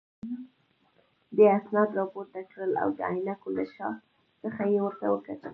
دې اسناد راپورته کړل او د عینکو له شا څخه یې ورته وکتل.